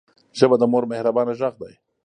ژبه د مور مهربانه غږ دی